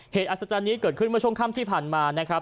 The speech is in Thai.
อัศจรรย์นี้เกิดขึ้นเมื่อช่วงค่ำที่ผ่านมานะครับ